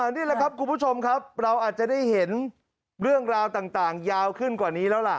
นี่แหละครับคุณผู้ชมครับเราอาจจะได้เห็นเรื่องราวต่างยาวขึ้นกว่านี้แล้วล่ะ